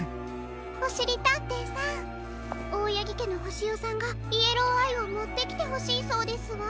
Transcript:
おしりたんていさんオオヤギけのホシヨさんがイエローアイをもってきてほしいそうですわ。